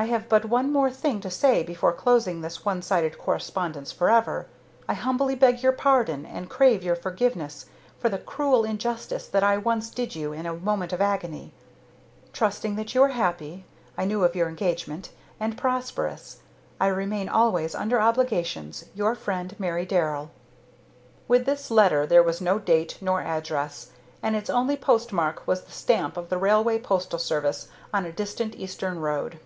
"I have but one more thing to say before closing this one sided correspondence forever I humbly beg your pardon and crave your forgiveness for the cruel injustice that I once did you in a moment of agony. "Trusting that you are happy (I knew of your engagement) and prosperous, "I remain, always under obligations, your friend, "MARY DARRELL." With this letter there was no date nor address, and its only post mark was the stamp of the railway postal service on a distant Eastern road.